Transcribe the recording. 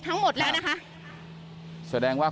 คุณภาคภูมิพยายามอยู่ในจุดที่ปลอดภัยด้วยนะคะ